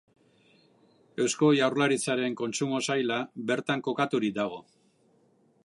Eusko Jaurlaritzaren kontsumo saila bertan kokaturik dago.